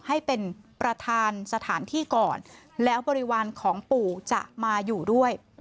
ให้เป็นประธานสถานที่ก่อนแล้วบริวารของปู่จะมาอยู่ด้วย